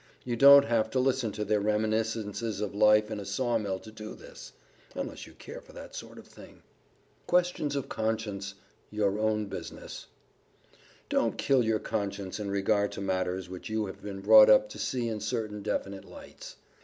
You don't have to listen to their reminiscences of Life in a Saw mill to do this, unless you care for that sort of thing. [Sidenote: QUESTIONS OF CONSCIENCE YOUR OWN BUSINESS] Don't kill your conscience in regard to matters which you have been brought up to see in certain definite lights.